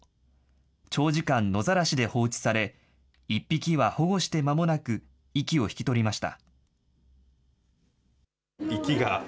長時間、野ざらしで放置され、１匹は保護してまもなく息を引き取りました。